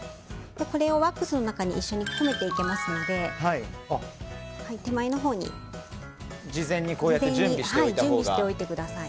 これをワックスの中に一緒に込めていきますので手前のほうに事前に準備しておいてください。